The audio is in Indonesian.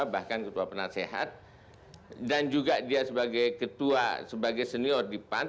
bahkan ketua penasehat dan juga dia sebagai ketua sebagai senior di pan